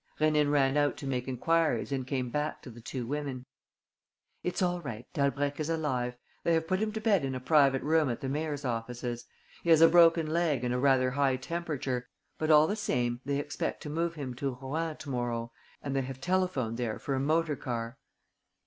Rénine ran out to make enquiries and came back to the two women. "It's all right. Dalbrèque is alive. They have put him to bed in a private room at the mayor's offices. He has a broken leg and a rather high temperature; but all the same they expect to move him to Rouen to morrow and they have telephoned there for a motor car."